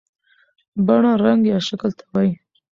بڼه رنګ یا شکل ته وایي.